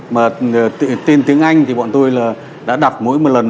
mà tên tiếng anh thì bọn tôi là đã đọc mỗi một lần